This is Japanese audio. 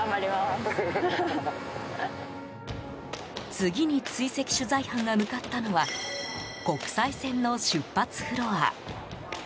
次に追跡取材班が向かったのは国際線の出発フロア。